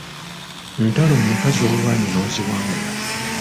Ntalo meka z’olwanye n’oziwangula?